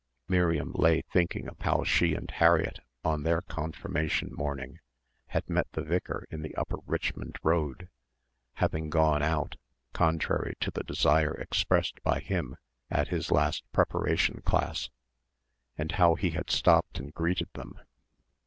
Miriam lay thinking of how she and Harriett on their confirmation morning had met the vicar in the Upper Richmond Road, having gone out, contrary to the desire expressed by him at his last preparation class, and how he had stopped and greeted them.